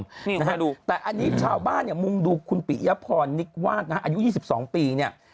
นี่อีกหน่อยดูแต่อันนี้ชาวบ้านเนี่ยมุมดูคุณปิอิพรนิกวาสอายุ๒๒ปีเนี่ย